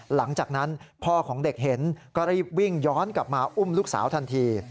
หลังจากนั้นพ่อของเด็กเห็นก็รีบวิ่งย้อนกลับมาอุ้มลูกสาวทันที